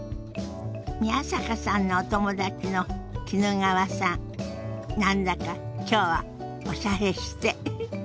宮坂さんのお友達の衣川さん何だか今日はおしゃれしてフフッ。